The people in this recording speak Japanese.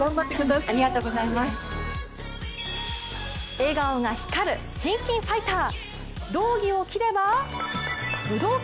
笑顔が光る信金ファイター。